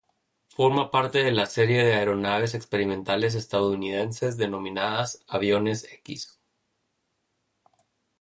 Forma parte de la serie de aeronaves experimentales estadounidenses denominadas "aviones X".